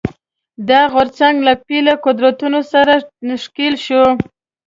دا غورځنګ له پیله قدرتونو سره ښکېل شو